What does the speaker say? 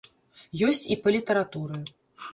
Ёсць і па літаратуры.